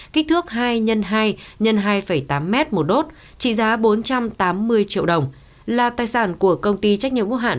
kích thước hai x hai x hai tám m một đốt trị giá bốn trăm tám mươi triệu đồng là tài sản của công ty trách nhiệm hữu hạn